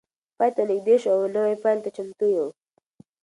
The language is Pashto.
پای ته نږدې شو او نوی پیل ته چمتو یو.